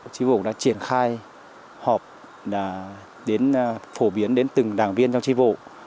tri vộ đã triển khai họp đã đến phổ biến đến từng đảng viên trong tri vộ